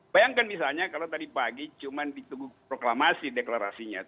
bayangkan misalnya kalau tadi pagi cuma ditunggu proklamasi deklarasinya